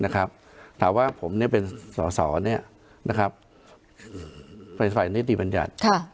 นะครับถ้าว่าผมเนี้ยเป็นสเนี้ยนะครับฝ่ายฝ่ายนิติปัญหาค่ะ